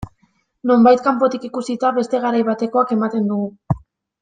Nonbait, kanpotik ikusita, beste garai batekoak ematen dugu.